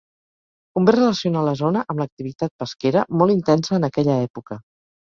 Convé relacionar la zona amb l'activitat pesquera molt intensa en aquella època.